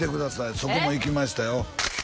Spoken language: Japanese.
そこも行きましたよ